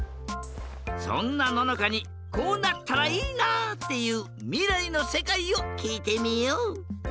そんなののかにこうなったらいいなっていうみらいのせかいをきいてみよう！